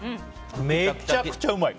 めちゃくちゃうまい！